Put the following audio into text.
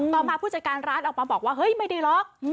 มาผู้จัดการร้านออกมาบอกว่าเฮ้ยไม่ได้ล็อก